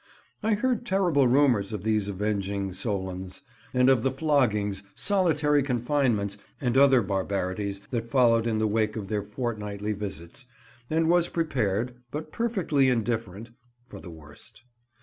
I heard terrible rumours of these avenging Solons, and of the floggings, solitary confinements, and other barbarities that followed in the wake of their fortnightly visits, and was prepared—but perfectly indifferent—for the worst.